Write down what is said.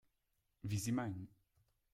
Wie Sie meinen.